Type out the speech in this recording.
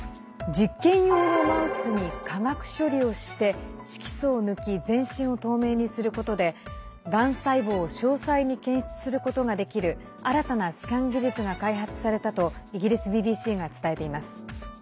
実験用のマウスに化学処理をして色素を抜き全身を透明にすることでがん細胞を詳細に検出することができる新たなスキャン技術が開発されたとイギリスＢＢＣが伝えています。